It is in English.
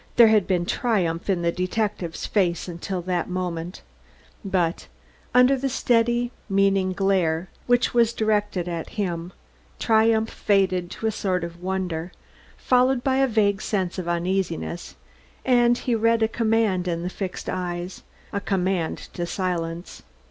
There had been triumph in the detective's face until that moment, but, under the steady, meaning glare which was directed at him, triumph faded to a sort of wonder, followed by a vague sense of uneasiness, and he read a command in the fixed eyes a command to silence.